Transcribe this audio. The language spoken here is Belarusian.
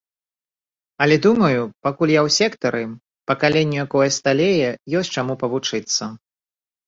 Але думаю, пакуль я ў сектары, пакаленню, якое сталее, ёсць чаму павучыцца.